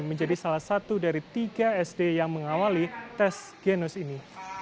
menjadi salah satu dari tiga sd yang mengawali tes genus ini